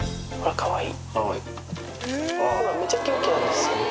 かわいい。